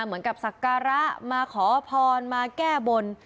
เหมือนกับสักการะมาขอพรมาแก้บน